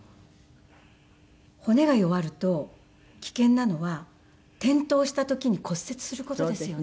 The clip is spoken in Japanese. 骨が弱ると危険なのは転倒した時に骨折する事ですよね。